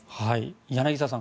柳澤さん